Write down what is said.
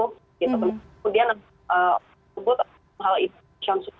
kemudian disebut hal ini